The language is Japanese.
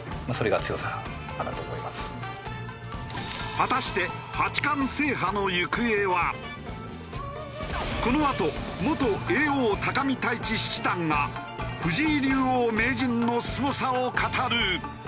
果たしてこのあと元叡王見泰地七段が藤井竜王・名人のすごさを語る。